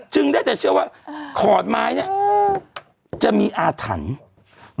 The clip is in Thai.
ได้แต่เชื่อว่าขอนไม้เนี่ยจะมีอาถรรพ์